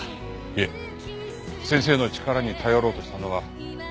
いえ先生の力に頼ろうとしたのは我々です。